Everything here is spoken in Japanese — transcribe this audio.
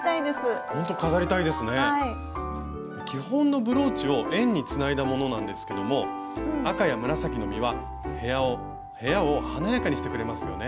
基本のブローチを円につないだものなんですけども赤や紫の実は部屋を華やかにしてくれますよね。